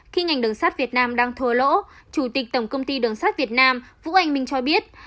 khi ngành đường sắt việt nam đang thua lỗ chủ tịch tổng công ty đường sắt việt nam vũ anh minh cho biết